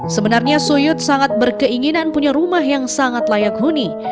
sebenarnya suyut sangat berkeinginan punya rumah yang sangat layak huni